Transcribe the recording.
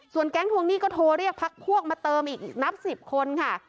แก๊งทวงหนี้ก็โทรเรียกพักพวกมาเติมอีกนับ๑๐คนค่ะ